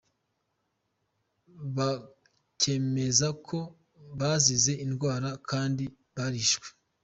Bakemeza ko bazize indwara kandi barishwe.